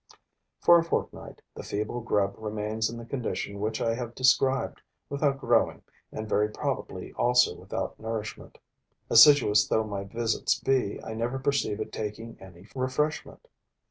For a fortnight, the feeble grub remains in the condition which I have described, without growing and very probably also without nourishment. Assiduous though my visits be, I never perceive it taking any refreshment.